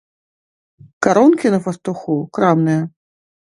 Карункі на фартуху крамныя.